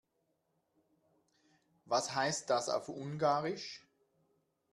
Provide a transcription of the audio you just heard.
Was heißt das auf Ungarisch?